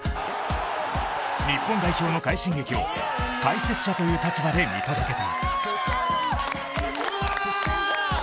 日本代表の快進撃を解説者という立場で見届けた。